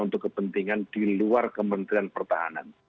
untuk kepentingan di luar kementerian pertahanan